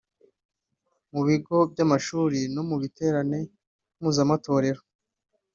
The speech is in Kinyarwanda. mu bigo by’amashuri no mu biterane mpuzamatorero